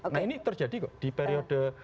nah ini terjadi di periode